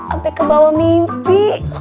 ampe kebawah mimpi